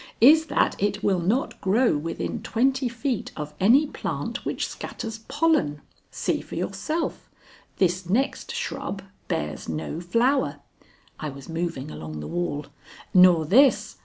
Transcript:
"is that it will not grow within twenty feet of any plant which scatters pollen. See for yourself. This next shrub bears no flower" (I was moving along the wall), "nor this."